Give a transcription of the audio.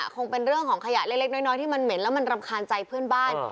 คงเป็นเรื่องของขยะเล็กน้อยที่มันเหม็นแล้วมันรำคาญใจเพื่อนบ้าน